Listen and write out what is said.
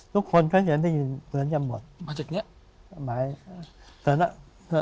ทุกคนเค้าเสียงที่เหนือจะหมดมาจากเนี้ย